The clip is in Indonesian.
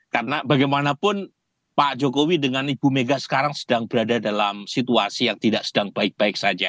karena bagaimanapun pak jokowi dengan ibu mega sekarang sedang berada dalam situasi yang tidak sedang baik baik saja